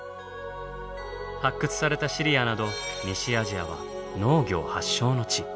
発掘されたシリアなど西アジアは農業発祥の地。